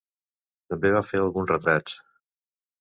També va fer alguns retrats.